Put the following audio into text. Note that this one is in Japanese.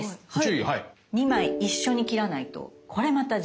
はい。